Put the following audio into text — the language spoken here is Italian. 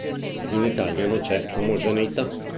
In Italia non c'è omogeneità.